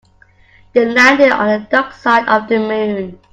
They landed on the dark side of the moon.